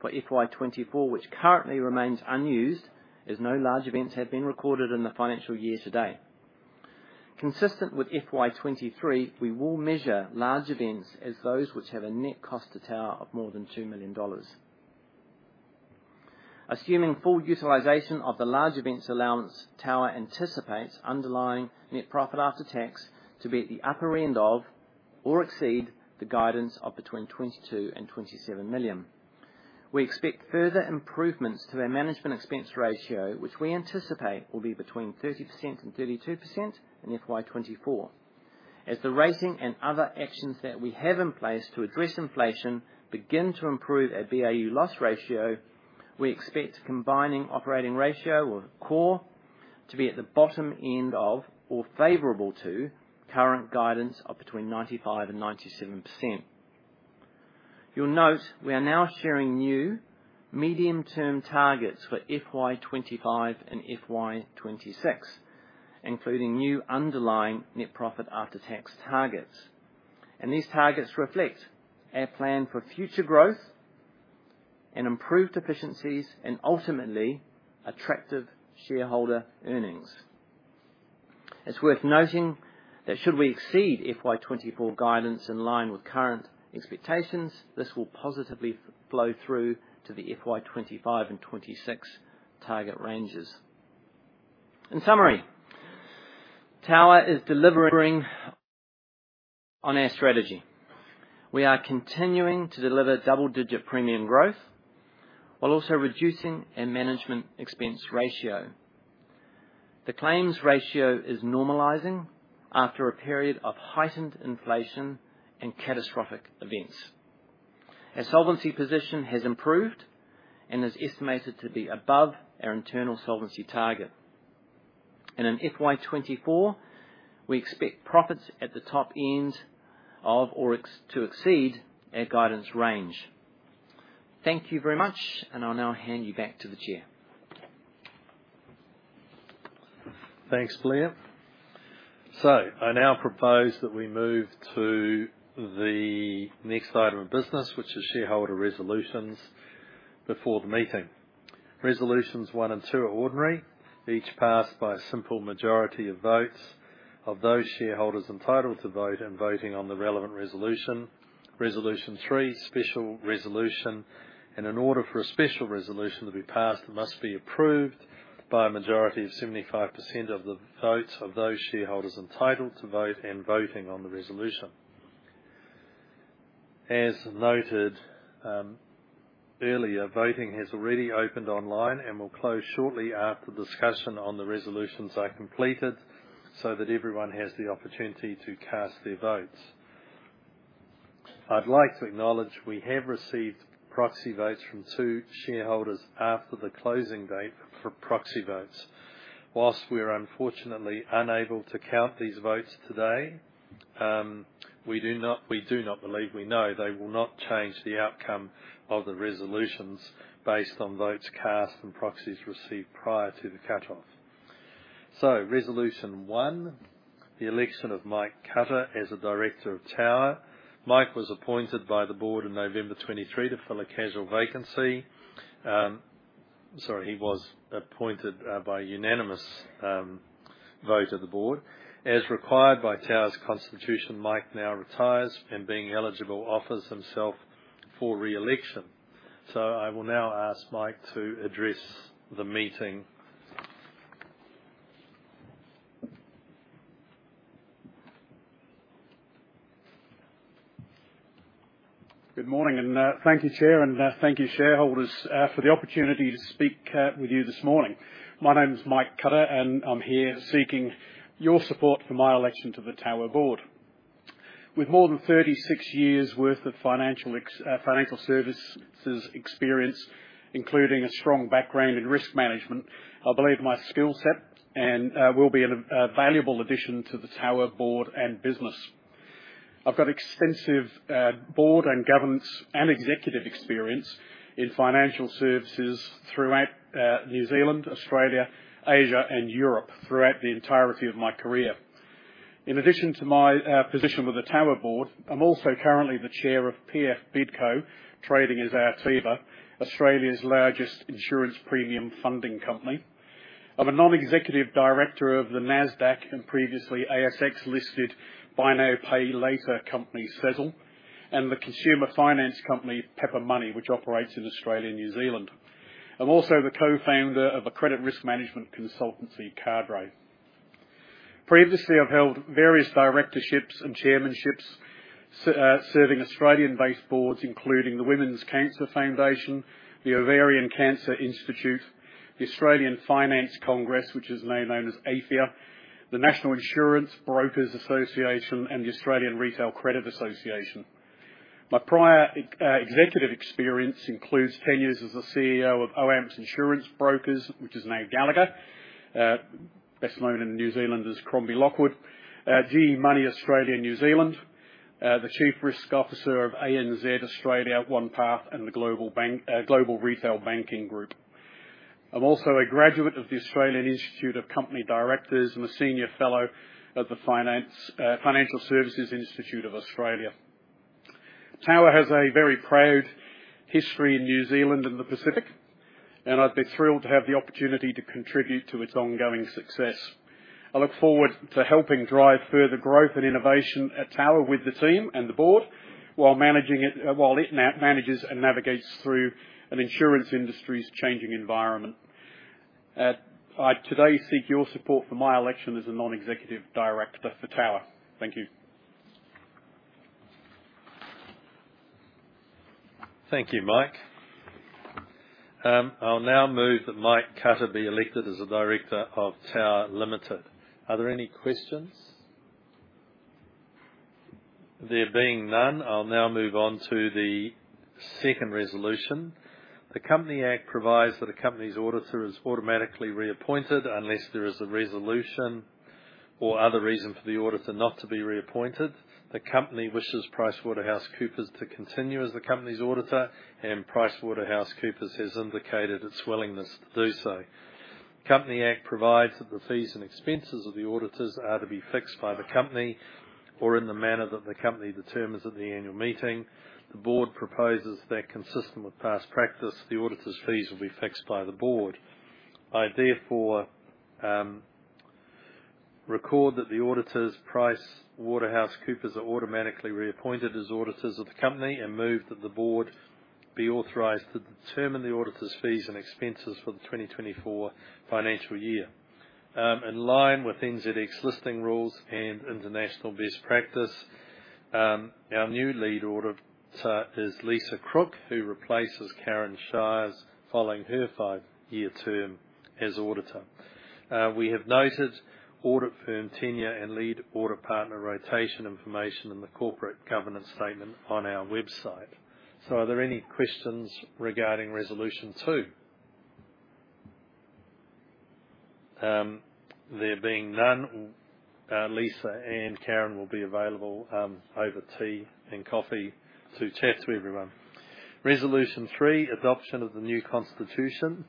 for FY24, which currently remains unused, as no large events have been recorded in the financial year today. Consistent with FY23, we will measure large events as those which have a net cost to Tower of more than 2 million dollars. Assuming full utilization of the large events allowance, Tower anticipates underlying net profit after tax to be at the upper end of or exceed the guidance of between 22 million and 27 million. We expect further improvements to our management expense ratio, which we anticipate will be between 30% and 32% in FY24. As the rating and other actions that we have in place to address inflation begin to improve our BAU loss ratio, we expect combining operating ratio, or core, to be at the bottom end of or favorable to current guidance of between 95% and 97%. You'll note we are now sharing new medium-term targets for FY25 and FY26, including new underlying net profit after tax targets. These targets reflect our plan for future growth and improved efficiencies and ultimately attractive shareholder earnings. It's worth noting that should we exceed FY24 guidance in line with current expectations, this will positively flow through to the FY25 and 26 target ranges. In summary, Tower is delivering on our strategy. We are continuing to deliver double-digit premium growth while also reducing our management expense ratio. The claims ratio is normalizing after a period of heightened inflation and catastrophic events. Our solvency position has improved and is estimated to be above our internal solvency target. In FY2024, we expect profits at the top end of or to exceed our guidance range. Thank you very much, and I'll now hand you back to the chair. Thanks, Leah. I now propose that we move to the next item of business, which is shareholder resolutions before the meeting. Resolutions 1 and 2 are ordinary, each passed by a simple majority of votes of those shareholders entitled to vote and voting on the relevant resolution. Resolution three, special resolution, and in order for a special resolution to be passed, it must be approved by a majority of 75% of the votes of those shareholders entitled to vote and voting on the resolution. As noted earlier, voting has already opened online and will close shortly after discussion on the resolutions are completed so that everyone has the opportunity to cast their votes. I'd like to acknowledge we have received proxy votes from two shareholders after the closing date for proxy votes. While we are unfortunately unable to count these votes today, we do not believe we know they will not change the outcome of the resolutions based on votes cast and proxies received prior to the cutoff. So resolution one, the election of Mike Cutter as a director of Tower. Mike was appointed by the board in November 2023 to fill a casual vacancy. Sorry, he was appointed by unanimous vote of the board. As required by Tower's constitution, Mike now retires, and being eligible, offers himself for re-election. I will now ask Mike to address the meeting. Good morning, and thank you, Chair, and thank you, shareholders, for the opportunity to speak with you this morning. My name's Mike Cutter, and I'm here seeking your support for my election to the Tower board. With more than 36 years' worth of financial services experience, including a strong background in risk management, I believe my skill set will be a valuable addition to the Tower board and business. I've got extensive board and governance and executive experience in financial services throughout New Zealand, Australia, Asia, and Europe throughout the entirety of my career. In addition to my position with the Tower board, I'm also currently the chair of PF Bidco, trading as Arteva, Australia's largest insurance premium funding company. I'm a non-executive director of the NASDAQ and previously ASX-listed Buy Now Pay Later company Sezzle and the consumer finance company Pepper Money, which operates in Australia, New Zealand. I'm also the co-founder of a credit risk management consultancy, Kardinia. Previously, I've held various directorships and chairmanships serving Australian-based boards, including the Women's Cancer Foundation, the Ovarian Cancer Institute, the Australian Finance Congress, which is now known as AFIA, the National Insurance Brokers Association, and the Australian Retail Credit Association. My prior executive experience includes 10 years as a CEO of OAMPS Insurance Brokers, which is now Gallagher, best known in New Zealand as Crombie Lockwood, GE Money Australia and New Zealand, the Chief Risk Officer of ANZ Australia, OnePath, and the Global Retail Banking Group. I'm also a graduate of the Australian Institute of Company Directors and a senior fellow at the Financial Services Institute of Australia. Tower has a very proud history in New Zealand and the Pacific, and I'd be thrilled to have the opportunity to contribute to its ongoing success. I look forward to helping drive further growth and innovation at Tower with the team and the board while it manages and navigates through an insurance industry's changing environment. I today seek your support for my election as a non-executive director for Tower. Thank you. Thank you, Mike. I'll now move that Mike Cutter be elected as a director of Tower Limited. Are there any questions? There being none, I'll now move on to the second resolution. The Company Act provides that a company's auditor is automatically reappointed unless there is a resolution or other reason for the auditor not to be reappointed. The company wishes PricewaterhouseCoopers to continue as the company's auditor, and PricewaterhouseCoopers has indicated its willingness to do so. The Company Act provides that the fees and expenses of the auditors are to be fixed by the company or in the manner that the company determines at the annual meeting. The board proposes that, consistent with past practice, the auditors' fees will be fixed by the board. I therefore record that the auditors PricewaterhouseCoopers are automatically reappointed as auditors of the company and move that the board be authorised to determine the auditors' fees and expenses for the 2024 financial year. In line with NZX listing rules and international best practice, our new lead auditor is Lisa Crook, who replaces Karen Shires following her five-year term as auditor. We have noted audit firm tenure and lead audit partner rotation information in the corporate governance statement on our website. So are there any questions regarding resolution two? There being none, Lisa and Karen will be available over tea and coffee to chat to everyone. Resolution three, adoption of the new constitution.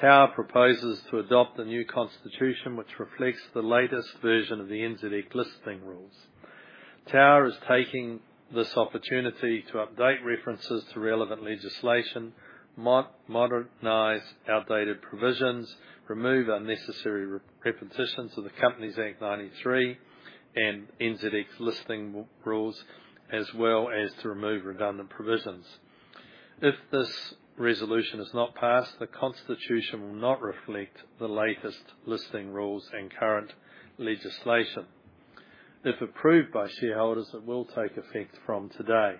Tower proposes to adopt the new constitution, which reflects the latest version of the NZX listing rules. Tower is taking this opportunity to update references to relevant legislation, modernize outdated provisions, remove unnecessary repetitions of the Companies Act 93 and NZX listing rules, as well as to remove redundant provisions. If this resolution is not passed, the constitution will not reflect the latest listing rules and current legislation. If approved by shareholders, it will take effect from today.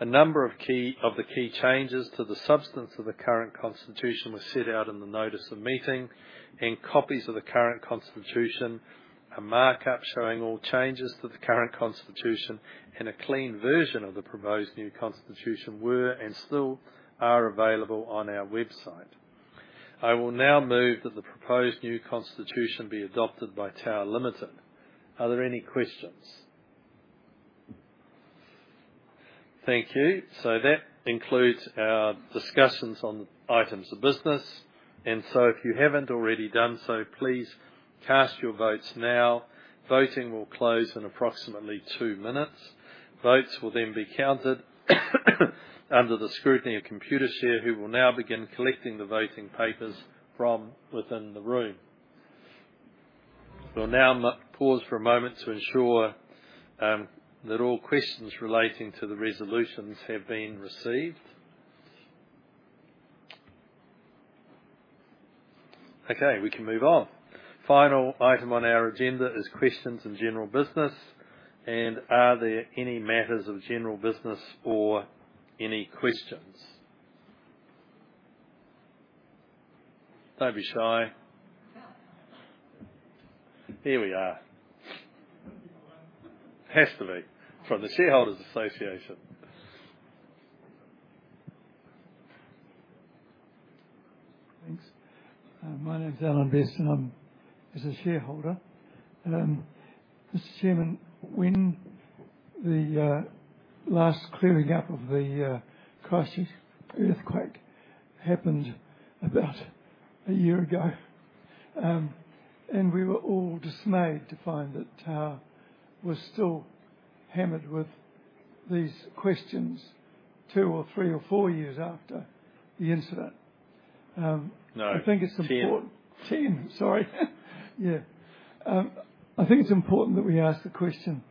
A number of the key changes to the substance of the current constitution were set out in the notice of meeting, and copies of the current constitution, a markup showing all changes to the current constitution, and a clean version of the proposed new constitution were and still are available on our website. I will now move that the proposed new constitution be adopted by Tower Limited. Are there any questions? Thank you. So that includes our discussions on the items of business. And so if you haven't already done so, please cast your votes now. Voting will close in approximately 2 minutes. Votes will then be counted under the scrutiny of Computershare, who will now begin collecting the voting papers from within the room. We'll now pause for a moment to ensure that all questions relating to the resolutions have been received. Okay, we can move on. Final item on our agenda is questions in general business. And are there any matters of general business or any questions? Don't be shy. Here we are. Has to be. From the Shareholders Association. Thanks. My name's Alan Best and I'm a shareholder. Mr. Chairman, when the last clearing up of the Christchurch earthquake happened about a year ago, and we were all dismayed to find that Tower was still hammered with these questions two or three or four years after the incident. I think it's important. No. Ten. Ten, sorry. Yeah. I think it's important that we ask the question,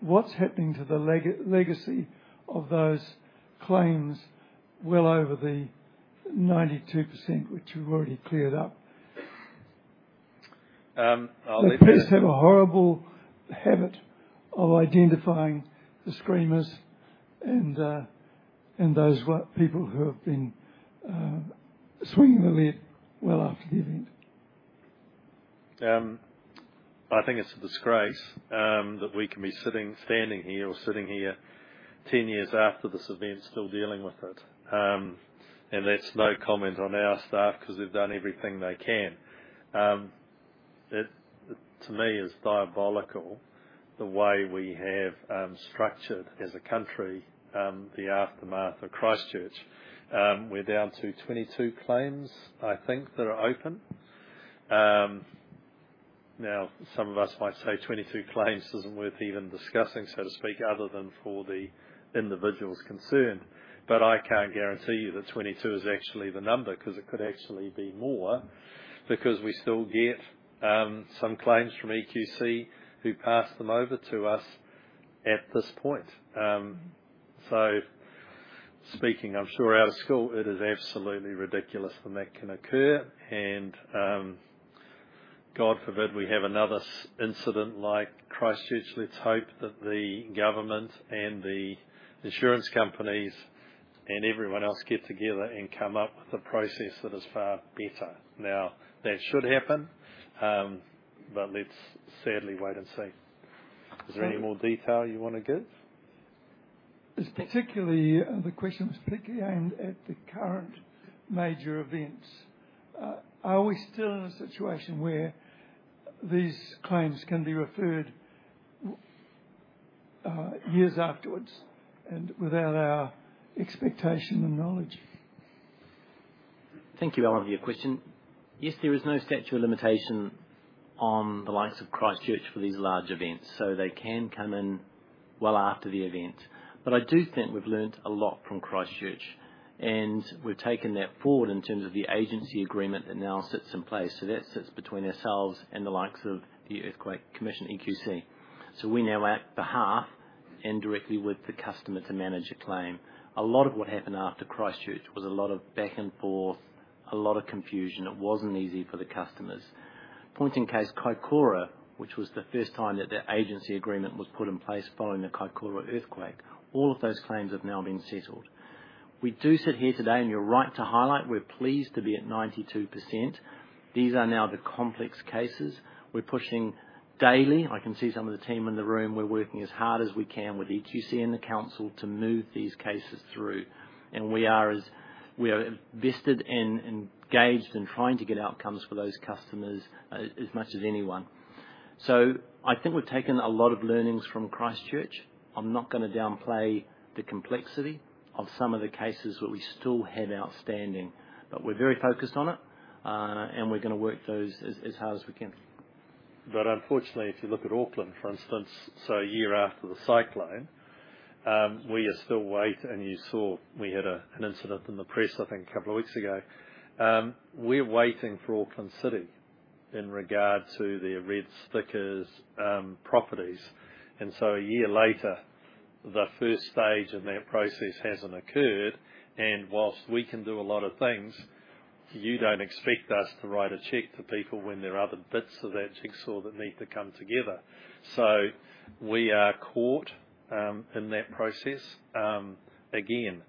what's happening to the legacy of those claims well over the 92%, which we've already cleared up? I'll leave it there. The priests have a horrible habit of identifying the screamers and those people who have been swinging the lead well after the event. I think it's a disgrace that we can be standing here or sitting here 10 years after this event still dealing with it. That's no comment on our staff because they've done everything they can. To me, it's diabolical the way we have structured as a country the aftermath of Christchurch. We're down to 22 claims, I think, that are open. Now, some of us might say 22 claims isn't worth even discussing, so to speak, other than for the individuals concerned. But I can't guarantee you that 22 is actually the number because it could actually be more because we still get some claims from EQC who pass them over to us at this point. So speaking, I'm sure, out of school, it is absolutely ridiculous that that can occur. God forbid we have another incident like Christchurch, let's hope that the government and the insurance companies and everyone else get together and come up with a process that is far better. Now, that should happen, but let's sadly wait and see. Is there any more detail you want to give? Particularly, the question was particularly aimed at the current major events. Are we still in a situation where these claims can be referred years afterwards and without our expectation and knowledge? Thank you, Alan, for your question. Yes, there is no statute of limitation on the likes of Christchurch for these large events, so they can come in well after the event. But I do think we've learned a lot from Christchurch, and we've taken that forward in terms of the agency agreement that now sits in place. So that sits between ourselves and the likes of the Earthquake Commission, EQC. So we now act on behalf and directly with the customer to manage a claim. A lot of what happened after Christchurch was a lot of back and forth, a lot of confusion. It wasn't easy for the customers. Point in case, Kaikoura, which was the first time that the agency agreement was put in place following the Kaikoura earthquake, all of those claims have now been settled. We do sit here today, and you're right to highlight, we're pleased to be at 92%. These are now the complex cases. We're pushing daily. I can see some of the team in the room. We're working as hard as we can with EQC and the council to move these cases through. And we are vested and engaged in trying to get outcomes for those customers as much as anyone. So I think we've taken a lot of learnings from Christchurch. I'm not going to downplay the complexity of some of the cases where we still have outstanding, but we're very focused on it, and we're going to work those as hard as we can. But unfortunately, if you look at Auckland, for instance, so a year after the cyclone, we are still waiting. And you saw we had an incident in the press, I think, a couple of weeks ago. We're waiting for Auckland City in regard to their red stickers properties. And so a year later, the first stage in that process hasn't occurred. And whilst we can do a lot of things, you don't expect us to write a check to people when there are other bits of that jigsaw that need to come together. So we are caught in that process again.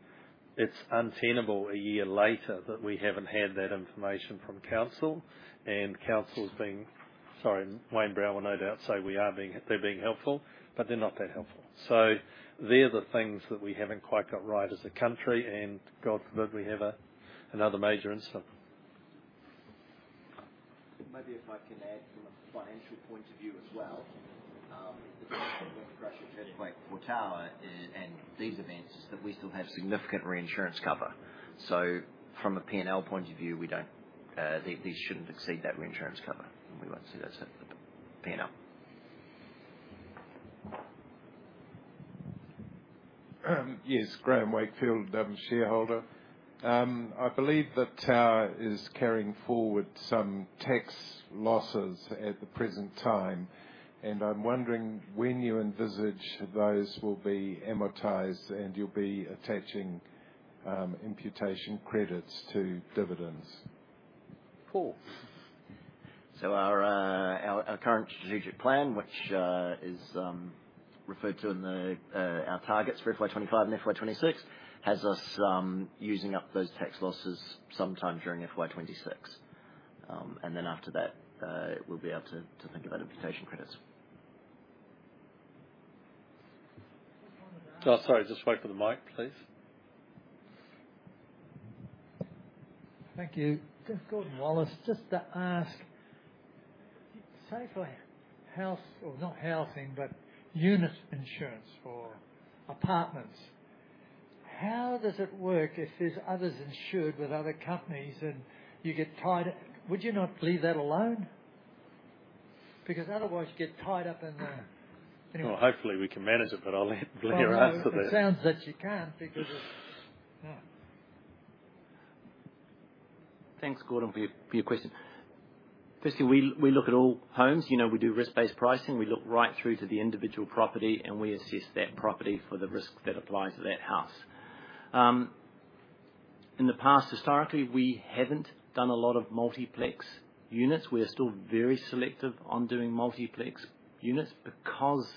It's untenable a year later that we haven't had that information from council. And council's being sorry, Wayne Brown, no doubt, say we are being helpful, but they're not that helpful. So they're the things that we haven't quite got right as a country. God forbid we have another major incident. Maybe if I can add from a financial point of view as well, the question of the Christchurch earthquake for Tower and these events is that we still have significant reinsurance cover. From a P&L point of view, these shouldn't exceed that reinsurance cover. We won't see those at the P&L. Yes, Graeme Wakefield, shareholder. I believe that Tower is carrying forward some tax losses at the present time. I'm wondering when you envisage those will be amortized and you'll be attaching imputation credits to dividends. Cool. So our current strategic plan, which is referred to in our targets, FY25 and FY26, has us using up those tax losses sometime during FY26. And then after that, we'll be able to think about imputation credits. Oh, sorry. Just wait for the mic, please. Thank you. Just Gordon Wallace, just to ask, say for house or not housing, but unit insurance for apartments, how does it work if there's others insured with other companies and you get tied up? Would you not leave that alone? Because otherwise, you get tied up in the. Well, hopefully, we can manage it, but I'll let Blair answer that. Oh, it sounds that you can't because of no. Thanks, Gordon, for your question. Firstly, we look at all homes. We do risk-based pricing. We look right through to the individual property, and we assess that property for the risk that applies to that house. In the past, historically, we haven't done a lot of multiplex units. We are still very selective on doing multiplex units because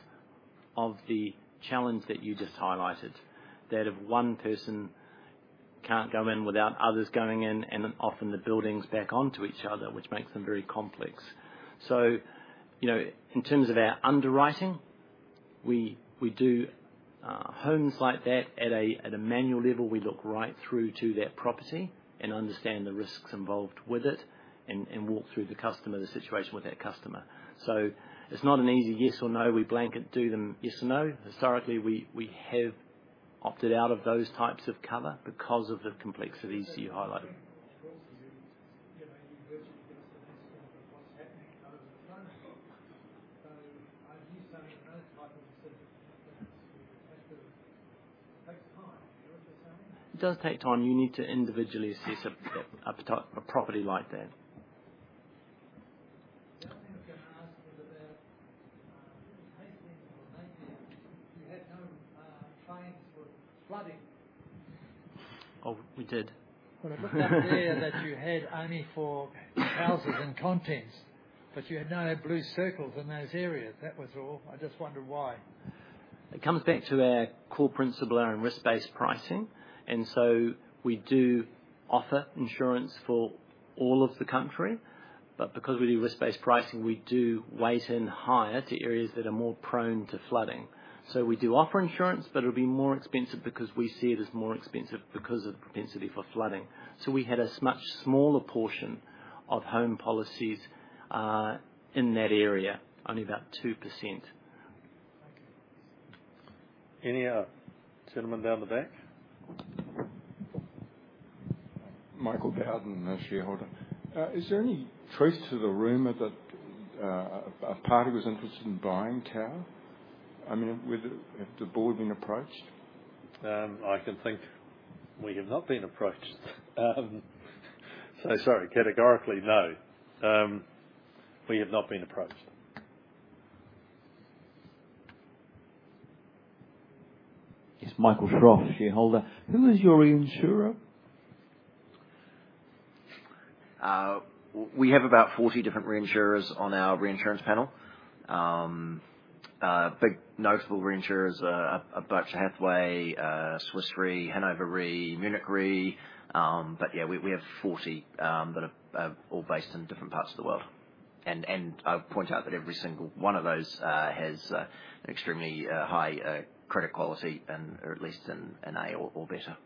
of the challenge that you just highlighted, that if one person can't go in without others going in, and often the buildings back onto each other, which makes them very complex. So in terms of our underwriting, we do homes like that at a manual level. We look right through to that property and understand the risks involved with it and walk through the customer, the situation with that customer. So it's not an easy yes or no. We blanket do them yes or no. Historically, we have opted out of those types of cover because of the complexities you highlighted. Of course, you virtually get us the next step of what's happening over the phone. So are you saying those types of decisions can happen? It takes time. Do you know what you're saying? It does take time. You need to individually assess a property like that. Something I was going to ask was about claims things that were made there. You had no claims for flooding. Oh, we did. When I looked up there that you had only for houses and contents, but you had no blue circles in those areas. That was all. I just wondered why? It comes back to our core principle around risk-based pricing. And so we do offer insurance for all of the country. But because we do risk-based pricing, we do weigh in higher to areas that are more prone to flooding. So we do offer insurance, but it'll be more expensive because we see it as more expensive because of the propensity for flooding. So we had a much smaller portion of home policies in that area, only about 2%. Any other gentleman down the back? Michael Garden, a shareholder. Is there any truth to the rumor that a party was interested in buying Tower? I mean, have the board been approached? I can think we have not been approached. So sorry, categorically, no. We have not been approached. Yes, Michael Shroff, shareholder. Who is your reinsurer? We have about 40 different reinsurers on our reinsurance panel. Big notable reinsurers are Berkshire Hathaway, Swiss Re, Hannover Re, Munich Re. But yeah, we have 40 that are all based in different parts of the world. And I'll point out that every single one of those has an extremely high credit quality, or at least an A or better.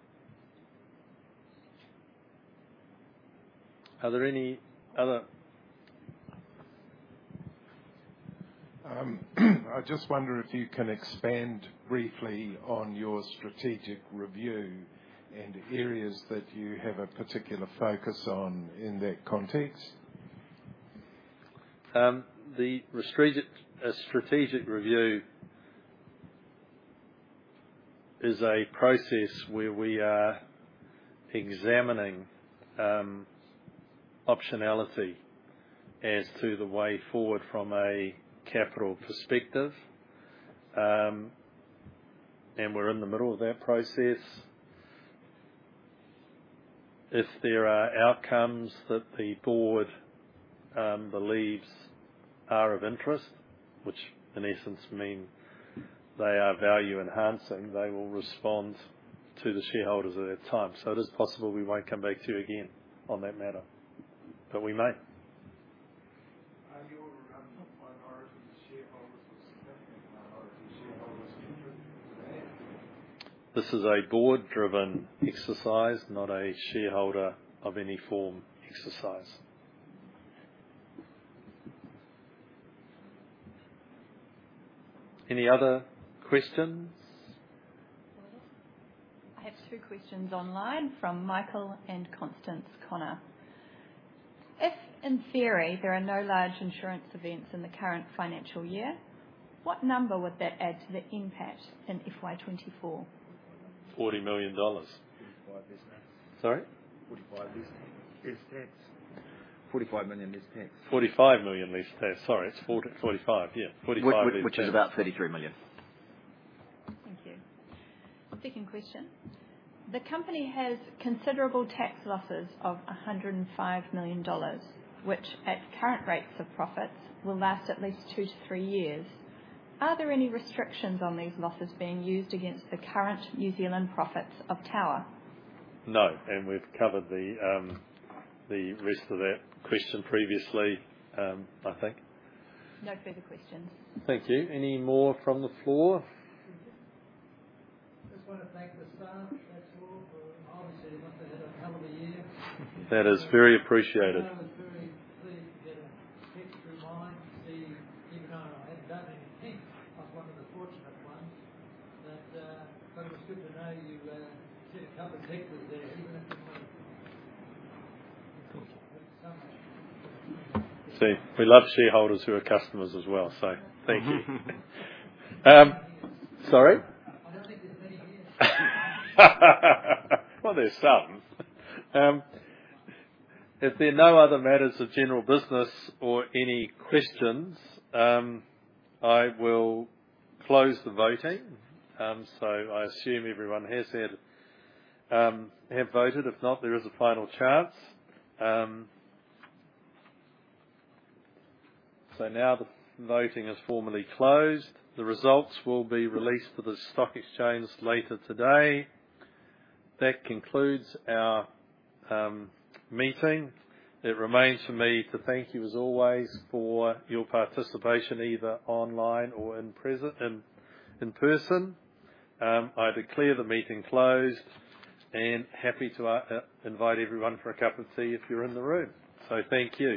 Are there any other? I just wonder if you can expand briefly on your strategic review and areas that you have a particular focus on in that context? The strategic review is a process where we are examining optionality as to the way forward from a capital perspective. We're in the middle of that process. If there are outcomes that the board believes are of interest, which in essence mean they are value-enhancing, they will respond to the shareholders at that time. It is possible we won't come back to you again on that matter. We may. Are your amounts of minorities and shareholders significant minorities and shareholders interested today? This is a board-driven exercise, not a shareholder of any form exercise. Any other questions? I have two questions online from Michael and Constance Connor. If, in theory, there are no large insurance events in the current financial year, what number would that add to the impact in FY24? $40 million. 45 business. Sorry? 45 business lease tax? 45 million lease tax. NZD 45 million lease tax. Sorry. It's 45. Yeah. 45 million. Which is about 33 million. Thank you. Second question. The company has considerable tax losses of 105 million dollars, which at current rates of profits will last at least 2-3 years. Are there any restrictions on these losses being used against the current New Zealand profits of Tower? No. And we've covered the rest of that question previously, I think. No further questions. Thank you. Any more from the floor? I just want to thank the staff. That's all. Obviously, you must have had a hell of a year. That is very appreciated. I was very pleased to get a check from my insurer even though I hadn't done anything. I was one of the fortunate ones. But it was good to know you sent a couple of adjusters there, even if you might have so much. See, we love shareholders who are customers as well. So thank you. Sorry? I don't think there's many here. Well, there's some. If there are no other matters of general business or any questions, I will close the voting. So I assume everyone has voted. If not, there is a final chance. So now the voting is formally closed. The results will be released to the stock exchange later today. That concludes our meeting. It remains for me to thank you, as always, for your participation, either online or in person. I declare the meeting closed and happy to invite everyone for a cup of tea if you're in the room. So thank you.